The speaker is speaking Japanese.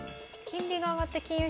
金利が上がって金融